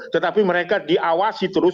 tetapi mereka diawasi terus